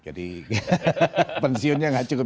jadi pensiunnya tidak cukup